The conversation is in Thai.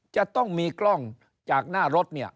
จะต้องมีกล้องจากหน้ารถเนี่ย